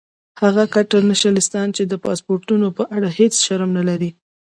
هغه کټر نیشنلستان چې د پاسپورټونو په اړه هیڅ شرم نه لري.